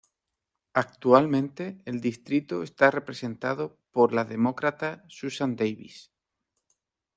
Actualmente el distrito está representado por la Demócrata Susan Davis.